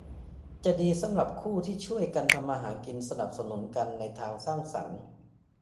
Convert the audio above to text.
จะดีสำหรับคู่ที่ช่วยกันทำมาหากินสนับสนุนกันในทางสร้างสรรค์